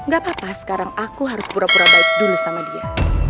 gak apa apa sekarang aku harus pura pura baik dulu sama dia